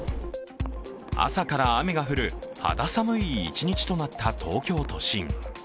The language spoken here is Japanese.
朝から雨が降る肌寒い一日となった東京都心。